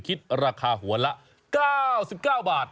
คิดราคาหัวละ๙๙บาท